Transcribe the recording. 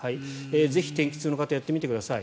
ぜひ天気痛の方やってみてください。